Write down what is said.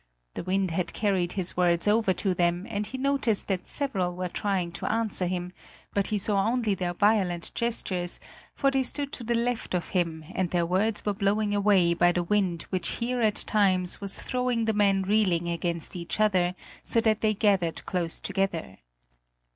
The wind had carried his words over to them, and he noticed that several were trying to answer him; but he saw only their violent gestures, for they stood to the left of him and their words were blown away by the wind which here at times was throwing the men reeling against each other, so that they gathered close together.